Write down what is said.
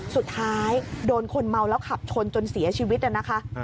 สุดท้ายโดนคนเมาแล้วขับชนจนเสียชีวิตนะคะ